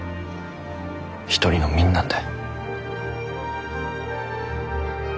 一人の民なんだ。